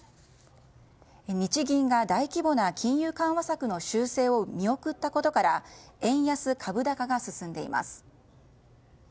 日銀が大規模な金融緩和策の修正を見送ったことから円安・株高が進んでいます。